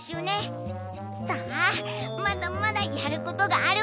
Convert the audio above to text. さあまだまだやることがあるわよ！